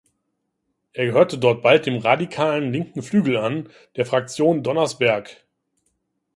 Er gehörte dort bald dem radikalen linken Flügel an, der Fraktion Donnersberg.